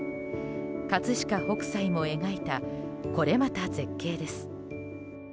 葛飾北斎も描いたこれまた絶景です。